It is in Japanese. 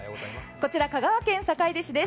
こちら、香川県坂出市です。